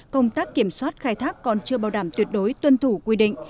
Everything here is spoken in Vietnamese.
công tác kiểm soát khai thác còn chưa bảo đảm tuyệt đối tuân thủ quy định